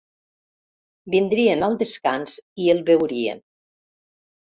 Vindrien al descans i el veurien.